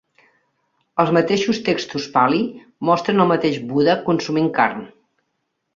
Els mateixos textos Pali mostren el mateix Buda consumint carn.